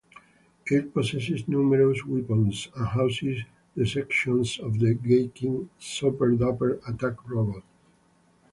It possesses numerous weapons and houses the sections of the Gaiking super-duper attack robot.